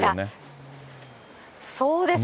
そうです。